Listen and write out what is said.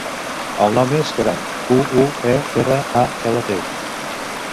El nom és Queralt: cu, u, e, erra, a, ela, te.